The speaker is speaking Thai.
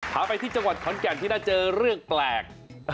พาไปที่จังหวัดขอนแก่นที่น่าเจอเรื่องแปลก